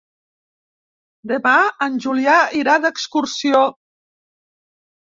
Demà en Julià irà d'excursió.